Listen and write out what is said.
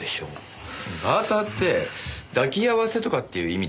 バーターって抱き合わせとかっていう意味ですよね。